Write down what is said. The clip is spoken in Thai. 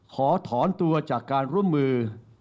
ขอถอนตัวจากการร่วมมือ